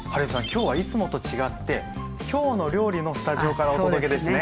今日はいつもと違って「きょうの料理」のスタジオからお届けですね。